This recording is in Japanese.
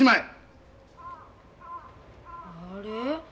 あれ？